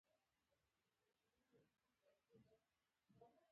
هغې په ټوله دنیا کې د پیریانو د تابعدارۍ ټیکه اخیستې ده.